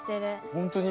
本当に？